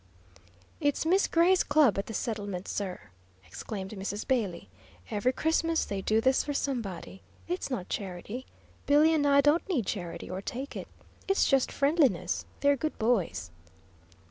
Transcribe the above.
"It's Miss Gray's club at the settlement, sir," explained Mrs. Bailey. "Every Christmas they do this for somebody. It's not charity; Billy and I don't need charity, or take it. It's just friendliness. They're good boys."